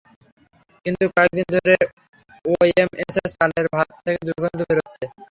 কিন্তু কয়েক দিন ধরে ওএমএসের চালের ভাত থেকে দুর্গন্ধ বের হচ্ছে।